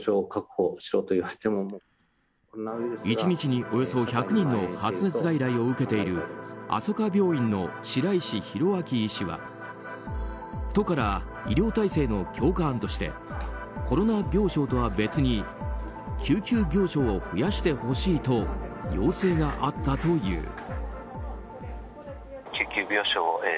１日におよそ１００人の発熱外来を受けているあそか病院の白石廣照医師は都から医療体制の強化案としてコロナ病床とは別に救急病床を増やしてほしいと要請があったという。